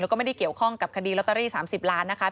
แล้วก็ไม่ได้เกี่ยวข้องกับคดีลอตเตอรี่๓๐ล้านนะคะ